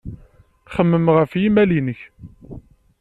Xemmem ɣef yimal-nnek.